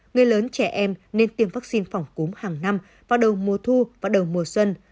người lớn trẻ em nên tiêm vaccine phòng cúm hàng năm vào đầu mùa thu và đầu mùa xuân